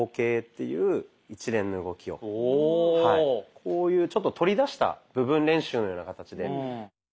こういうちょっと取り出した部分練習のような形で。